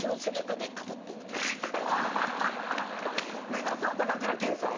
目指すは高倉健さん。